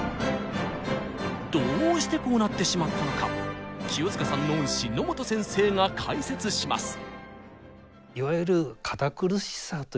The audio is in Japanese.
どうしてこうなってしまったのか清塚さんの恩師野本先生が解説します！